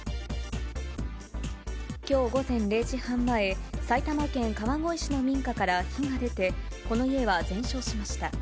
きょう午前０時半前、埼玉県川越市の民家から火が出て、この家は全焼しました。